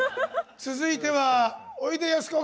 続いてはおいでやすこが！